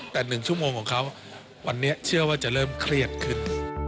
แต่๑ชั่วโมงของเขาวันนี้เชื่อว่าจะเริ่มเครียดขึ้น